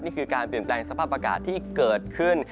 นี่คือการเปลี่ยนแปลงสภาพอากาศที่เกิดขึ้น